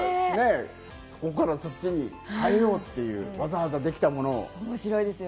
ここからそっちに変えようっていう、わざわざできたものを。